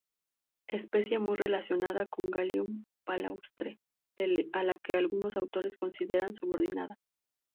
Especie muy relacionada con "Galium palustre" L., a la que algunos autores consideran subordinada.